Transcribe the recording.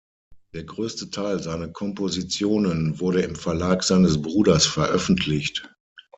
Der größte Teil seiner Kompositionen wurde im Verlag seines Bruders veröffentlicht.